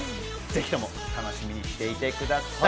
ぜひとも楽しみにしていてください。